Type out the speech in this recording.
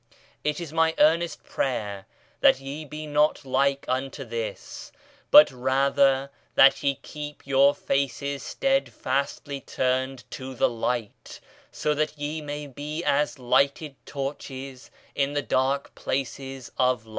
It is my earnest prayer, that ye be not like unto this, but rather that ye keep your faces steadfastly turned to the Light, so that ye may be as lighted torches in the dark places of life.